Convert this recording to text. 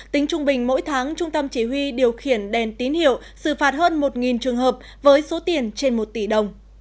tính trung bình mỗi tháng trung tâm chỉ huy điều khiển đèn tín hiệu xử phạt hơn một trường hợp với số tiền trên một tỷ đồng